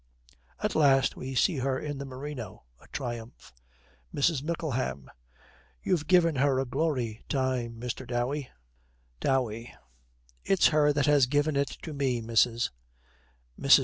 At last we see her in the merino (a triumph). MRS. MICKLEHAM. 'You've given her a glory time, Mr. Dowey.' DOWEY. 'It's her that has given it to me, missis.' MRS.